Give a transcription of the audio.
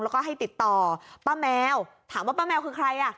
แล้วก็ให้ติดต่อป้าแมวถามว่าป้าแมวคือใครอ่ะ